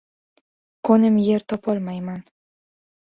Qo‘nim yer topolmayman.